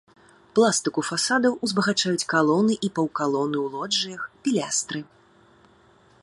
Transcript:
Пластыку фасадаў узбагачаюць калоны і паўкалоны ў лоджыях, пілястры.